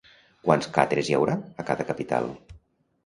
Quants catres hi haurà a cada capital?